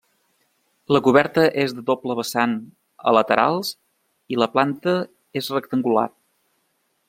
La coberta és de doble vessant a laterals i la planta és rectangular.